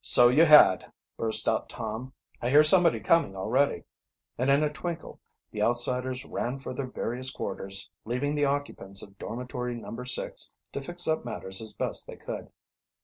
"So you had!" burst out Tom. "I hear somebody coming already," and in a twinkle the outsiders ran for their various quarters, leaving the occupants of Dormitory No. 6 to fix up matters as best they could.